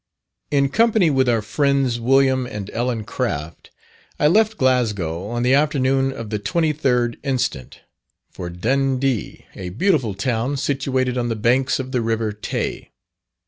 In company with our friends Wm. and Ellen Craft, I left Glasgow on the afternoon of the 23d inst., for Dundee, a beautiful town situated on the banks of the river Tay.